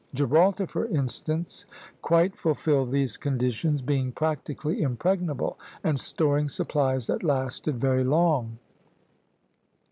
Gibraltar, for instance, quite fulfilled these conditions, being practically impregnable, and storing supplies that lasted very long.